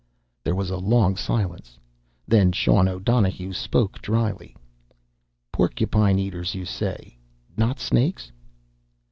There was a long silence. Then Sean O'Donohue spoke dryly: "Porcupine eaters, you say? Not snakes?"